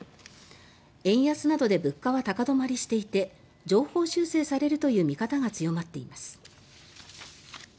円安などで物価は高止まりしていて上方修正されるという見方が強まっています。